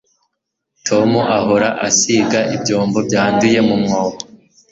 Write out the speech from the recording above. tom ahora asiga ibyombo byanduye mumwobo